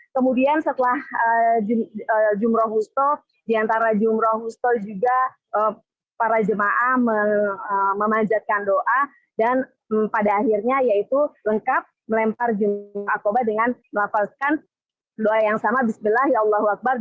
kemudian setelah jumlah kusta di antara jumlah kusta juga para jemaah memanjatkan doa dan pada akhirnya yaitu lengkap melempar jumlah akobat dengan melafazkan doa yang sama bismillahirrahmanirrahim